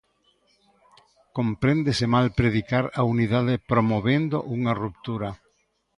Compréndese mal predicar a unidade promovendo unha ruptura.